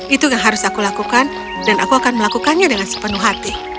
itu yang harus aku lakukan dan aku akan melakukannya dengan sepenuh hati